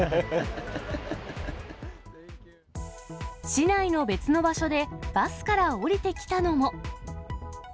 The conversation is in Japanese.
市内の別の場所でバスから降りてきたのも。